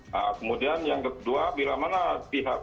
nah kemudian yang kedua bila mana pihak